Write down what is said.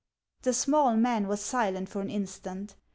The small man was silent for an instant.